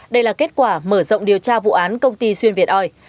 đây là kết quả mở rộng điều tra vụ án công ty xuyên việt oi